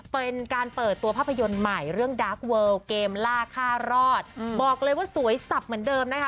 เป็นการเปิดตัวภาพยนตร์ใหม่เรื่องดาร์กเวิลเกมล่าค่ารอดบอกเลยว่าสวยสับเหมือนเดิมนะคะ